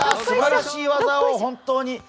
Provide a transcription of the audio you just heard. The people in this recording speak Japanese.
すばらしい技を、本当に。